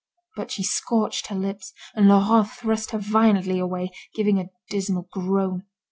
But she scorched her lips, and Laurent thrust her violently away, giving a dismal groan.